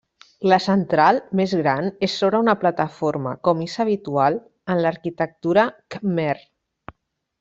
La central, més gran, és sobre una plataforma com és habitual en l'arquitectura khmer.